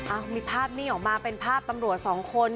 อ่ะมีภาพนี้ออกมาเป็นภาพตำรวจสองคน